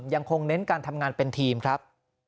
ยังคงเน้นการทำงานเป็นทีมครับ